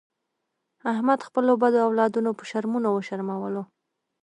احمد خپلو بدو اولادونو په شرمونو و شرمولو.